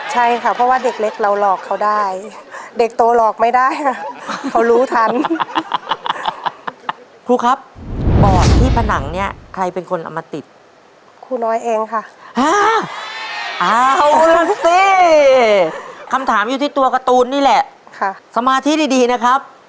ฮ่าเอาล่ะสิคำถามอยู่ที่ตัวการ์ตูนนี่แหละสมาธิดีนะครับ